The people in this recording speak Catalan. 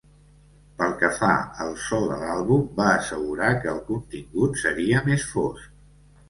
Pel que fa al so de l'àlbum, va assegurar que el contingut seria més fosc.